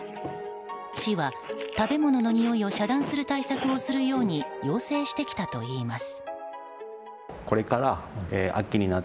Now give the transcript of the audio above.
市は、食べ物のにおいを遮断する対策をするように要請してきたといいます。